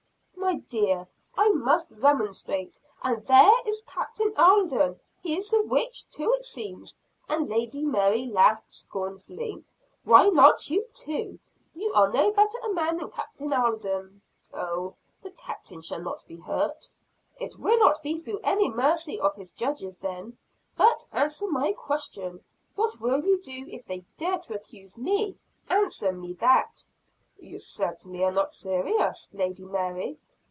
"My dear, I must remonstrate " "And there is Captain Alden he is a witch, too, it seems!" And Lady Mary laughed scornfully. "Why not you too? You are no better a man than Captain Alden." "Oh, the Captain shall not be hurt." "It will not be through any mercy of his judges then. But, answer my question: what will you do, if they dare to accuse me? Answer me that!" "You certainly are not serious, Lady Mary?"